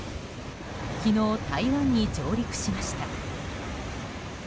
昨日、台湾に上陸しました。